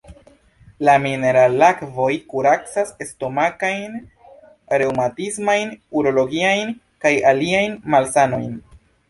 La mineralakvoj kuracas stomakajn, reŭmatismajn, urologiajn kaj aliajn malsanojn.